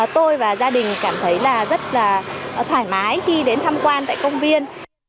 tôi và gia đình cảm thấy là rất là thoải mái khi đến tham quan tại công viên